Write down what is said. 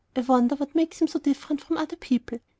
I wonder what makes him so different from other people.